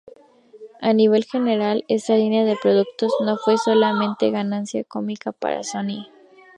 A nivel general, esta línea de productos no fue solamente ganancia económica para Sony.